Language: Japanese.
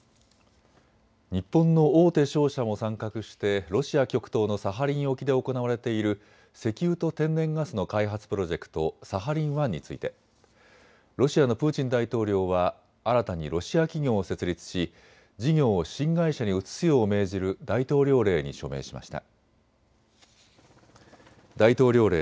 日本の大手商社も参画してロシア極東のサハリン沖で行われている石油と天然ガスの開発プロジェクト、サハリン１についてロシアのプーチン大統領は新たにロシア企業を設立し事業を新会社に移すよう命じる大統領令に署名しました。